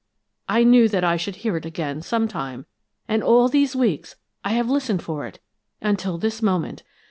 I knew that I should hear it again some time, and all these weeks I have listened for it, until this moment.